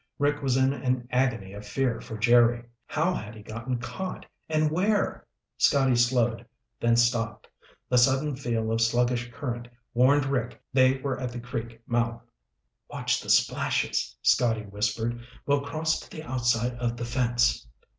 Rick was in an agony of fear for Jerry. How had he gotten caught? And where? Scotty slowed, then stopped. The sudden feel of sluggish current warned Rick they were at the creek mouth. "Watch the splashes," Scotty whispered. "We'll cross to the outside of the fence."